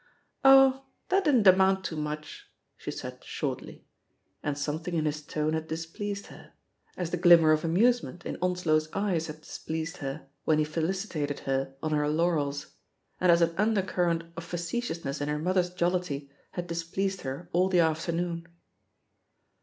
"Oh, that didn't amount to muchl" she said shortly. And some thing in his tone had displeased her— as the glim mer of amusement in Onslow's eyes had dis pleased her when he felicitated her on her "laurels" ; and as an undercurrent of f acetious ness in her mother's jollity had displeased her all the afternoon.